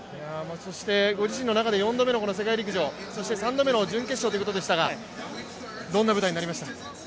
そして、ご自身の中で４回目の世界陸上３度目の準決勝ということでしたがどんな舞台になりましたか？